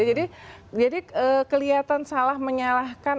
jadi keliatan salah menyalahkan